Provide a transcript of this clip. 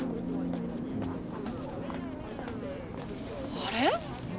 あれ？